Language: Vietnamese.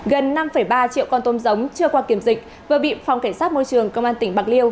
gần năm ba triệu con tôm giống chưa qua kiểm dịch vừa bị phòng cảnh sát môi trường công an tỉnh bạc liêu